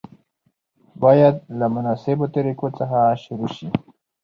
باید له مناسبو طریقو څخه شروع شي.